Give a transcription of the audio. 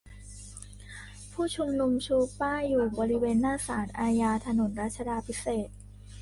ผู้ชุมนุมชูป้ายอยู่บริเวณหน้าศาลอาญา ถนนรัชาดาภิเษก